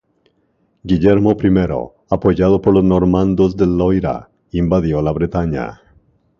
Guillermo I, apoyado por los normandos del Loira, invadió la Bretaña.